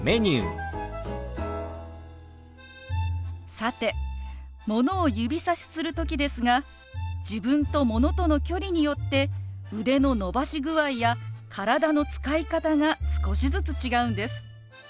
さてものを指さしする時ですが自分とものとの距離によって腕の伸ばし具合や体の使い方が少しずつ違うんです。